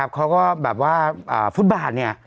เขาก็แบบว่าฟุตบาท